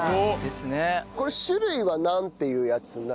これ種類はなんていうやつになるんですか？